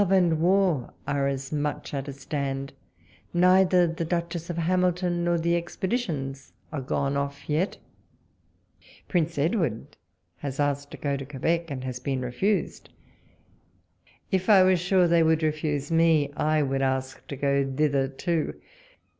Love and war are as much at a stand ; neither the Duchess of Hamilton, nor the ex peditions are gone off yet. Prince Edward has asked to go to Quebec, and has been refused. 70 walpole's letters. If I was sure they would refuse me, I would ask to go thither too.